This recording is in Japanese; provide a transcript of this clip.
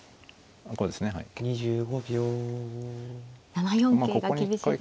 ７四桂が厳しいですか。